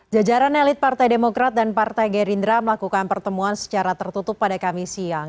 jajaran elit partai demokrat dan partai gerindra melakukan pertemuan secara tertutup pada kamis siang